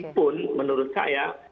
walaupun menurut saya